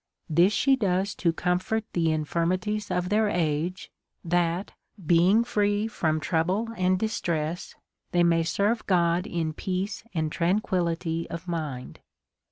This she does to comfort the infirmities of their age, that, being free from trouble and distress, they may serve God in peace and tranquillity of mind.